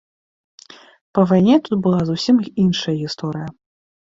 Па вайне тут была зусім іншая гісторыя.